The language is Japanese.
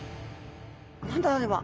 何だあれは。